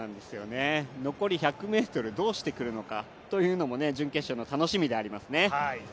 残り１００ｍをどうしてくるのかというのも準決勝の楽しみでありますね。